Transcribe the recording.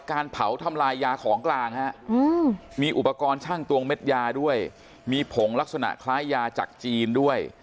การเผาทำลายยาของกลางฮะมีอุปกรณ์ช่างตวงเม็ดยาด้วยมีผงลักษณะคล้ายยาจากจีนด้วย